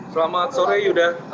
selamat sore yuda